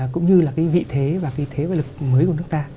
cũng như là cái vị thế và cái thế và lực mới của nước ta